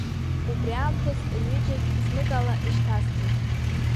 Убри аамҭаз рҩыџьагь знык ала ишьҭасҵеит.